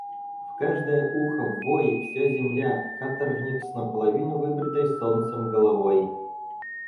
В каждое ухо ввой: вся земля — каторжник с наполовину выбритой солнцем головой!